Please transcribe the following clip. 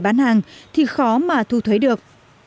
bán hàng thì khó mà thu thuế được